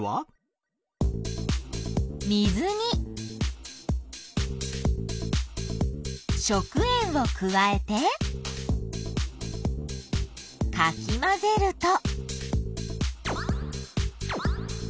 水に食塩を加えてかき混ぜると。